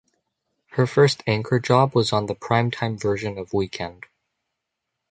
Her first anchor job was on the prime-time version of "Weekend".